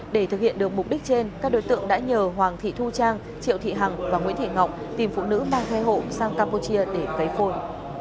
để thực hiện được mục đích trên các đối tượng đã nhờ hoàng thị thu trang triệu thị hằng và nguyễn thị ngọc tìm phụ nữ mang thai hộ sang campuchia để cấy phôi